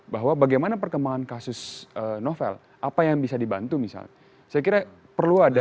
bahwa bagaimana perkembangan kasus novel apa yang bisa dibantu misalnya saya kira perlu ada